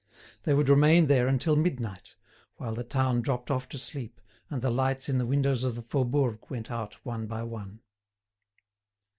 They would remain there until midnight, while the town dropped off to sleep and the lights in the windows of the Faubourg went out one by one.